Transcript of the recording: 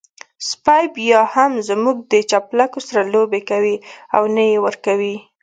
سپی بيا هم زموږ د چپلکو سره لوبې کوي او نه يې ورکوي.